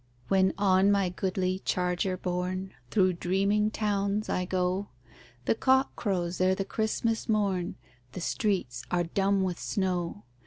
When on my goodly charger borne Thro' dreaming towns I go, The cock crows ere the Christmas morn, The streets are dumb with snow.